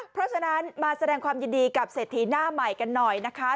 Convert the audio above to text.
เพราะฉะนั้นมาแสดงความยินดีกับเศรษฐีหน้าใหม่กันหน่อยนะคะ